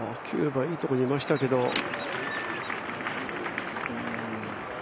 ９番いいところにいましたけれども。